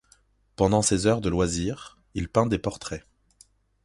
Pendant ses heures de loisir, il peint des portraits.